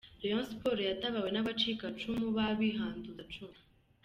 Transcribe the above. Rayon sports yatabawe n’abacikacumu babihanduzacumu !